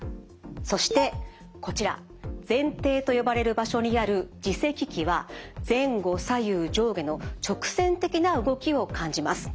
そしてこちら前庭と呼ばれる場所にある耳石器は前後左右上下の直線的な動きを感じます。